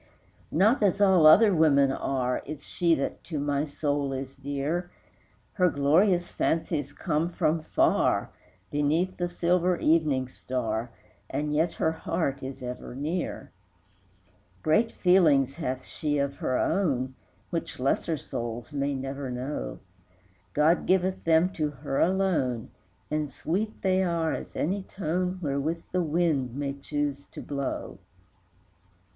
Not as all other women are Is she that to my soul is dear; Her glorious fancies come from far, Beneath the silver evening star, And yet her heart is ever near. II. Great feelings hath she of her own, Which lesser souls may never know; God giveth them to her alone, And sweet they are as any tone Wherewith the wind may choose to blow.